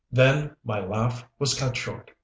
Then my laugh was cut short.